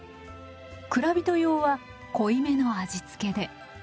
蔵人用は濃いめの味付けで。